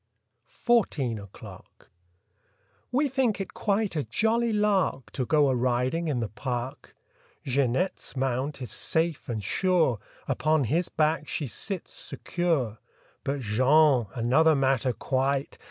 29 THIRTEEN O'CLOCK 31 FOURTEEN O'CLOCK W E think it quite a jolly lark To go a riding in the park. Jeanette's mount is safe and sure, Upon his back she sits secure. But Jean—another matter, quite!